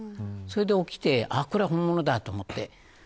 それで起きてこれは本物だと思って。